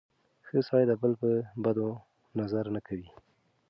ښه سړی د بل په بدو نظر نه کوي.